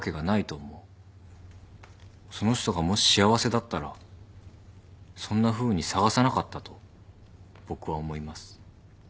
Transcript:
その人がもし幸せだったらそんなふうに探さなかったと僕は思います。